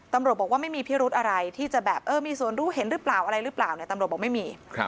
ตำรวจบอกว่าไม่มีพิรุธอะไรที่จะแบบเออมีส่วนรู้เห็นหรือเปล่าอะไรหรือเปล่าตำรวจบอกไม่มี